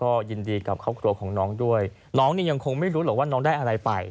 ก็ยินดีกับครอบครัวของน้องด้วยน้องนี่ยังคงไม่รู้หรอกว่าน้องได้อะไรไป